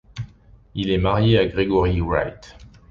Il est marié à Gregory Wright.